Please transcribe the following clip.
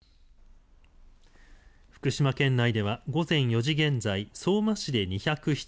福島県内では午前４時現在相馬市で２０７人